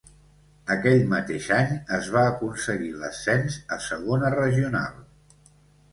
Aquell mateix any es va aconseguir l'ascens a segona regional.